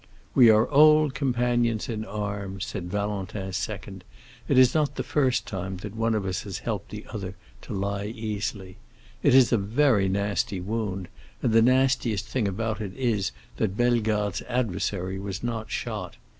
"We are old companions in arms," said Valentin's second; "it is not the first time that one of us has helped the other to lie easily. It is a very nasty wound, and the nastiest thing about it is that Bellegarde's adversary was not shot.